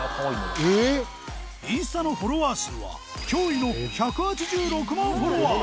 インスタのフォロワー数は驚異の１８６万フォロワー